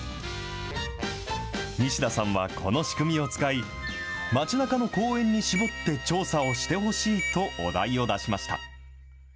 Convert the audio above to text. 西田さんはこの仕組みを使い、街なかの公園に絞って調査をしてほしいと、お題を出しました。